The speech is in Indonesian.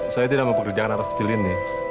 saya tidak mau pekerjakan anak kecil ini